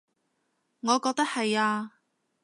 我覺得係呀